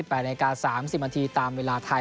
๘นาฬิกา๓๐นาทีตามเวลาไทย